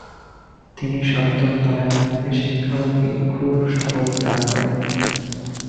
তিনি সপ্তম দলাই লামাকে শিক্ষা ও ভিক্ষুর শপথ দান করেন।